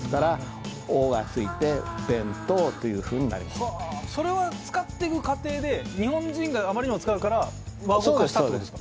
例えばそれは使っていく過程で日本人があまりにも使うから和語化したってことですか？